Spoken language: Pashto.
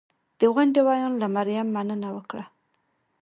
د غونډې ویاند له مریم مننه وکړه